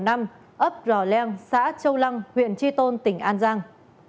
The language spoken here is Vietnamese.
ấp rò leng xã châu lăng huyện tri tôn tỉnh an giang